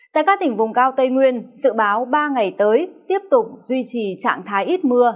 tại các tỉnh vùng cao tây nguyên dự báo ba ngày tới tiếp tục duy trì trạng thái ít mưa